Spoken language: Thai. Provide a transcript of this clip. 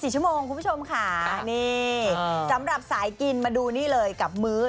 ๔ชั่วโมงคุณผู้ชมค่ะนี่สำหรับสายกินมาดูนี่เลยกับมื้อ